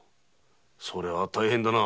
それは大変だな。